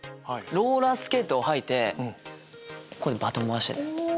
ローラースケートを履いてこうやってバトン回して。